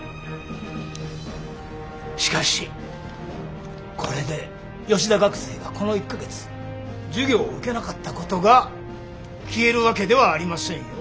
しかしこれで吉田学生がこの１か月授業を受けなかったことが消えるわけではありませんよ。